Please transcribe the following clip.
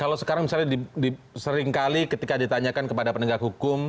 kalau sekarang misalnya seringkali ketika ditanyakan kepada penegak hukum